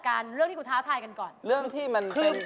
คุณจะไปต่อหรือคุณจะหยุด